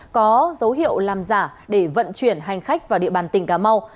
có dấu hiệu làm giả để vận chuyển hành khách vào địa bàn tỉnh cà mau